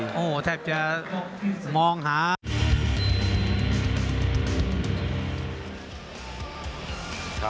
โอ้โหแทบจะมองหา